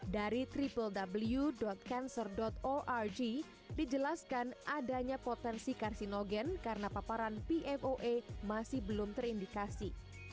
dari triww cancer org dijelaskan adanya potensi karsinogen karena paparan pfoa masih belum terindikasi